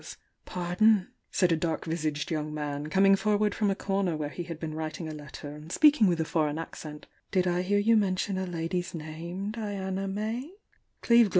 J *^^* dark visaged voung man, com mg forward from a comer where he had been x^riting a letter, and speaking with a foreign accen^ "Wd I hear you mention a lady's name—Diana May'" "J^aS ^.